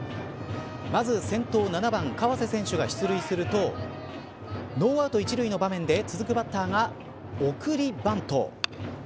まず先頭７番、川瀬選手が出塁するとノーアウト１塁の場面で続くバッターが、送りバント。